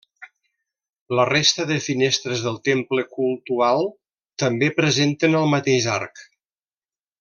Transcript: La resta de finestres del temple cultual també presenten el mateix arc.